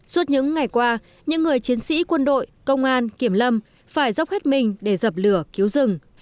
suốt những ngày qua những người chiến sĩ quân đội công an kiểm lâm phải dốc hết mình để dập lửa cứu rừng